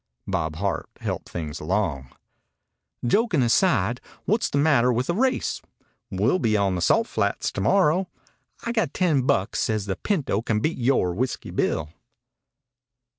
Bob Hart helped things along. "Jokin' aside, what's the matter with a race? We'll be on the Salt Flats to morrow. I've got ten bucks says the pinto can beat yore Whiskey Bill."